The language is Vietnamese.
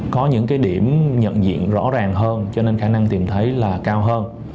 có những cái điểm nhận diện rõ ràng hơn cho nên khả năng tìm thấy là cao hơn